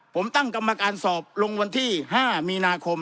ผมตั้งกรรมการสอบลงวันที่๕มีนาคม